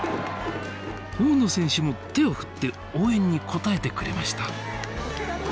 大野選手も手を振って応援に応えてくれました。